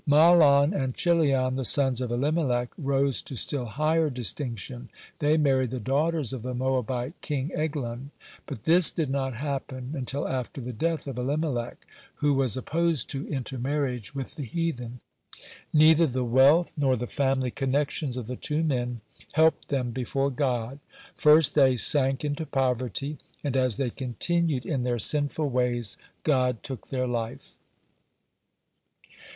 (38) Mahlon and Chilion, the sons of Elimelech, rose to still higher distinction, they married the daughters of the Moabite king Eglon (39) But this did not happen until after the death of Elimelech, who was opposed to intermarriage with the heathen. (40) Neither the wealth nor the family connections of the two men helped them before God. First they sank into poverty, and, as they continued in their sinful ways, God took their life.